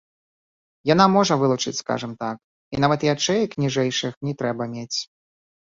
Яна можа вылучыць, скажам так, і нават ячэек ніжэйшых не трэба мець.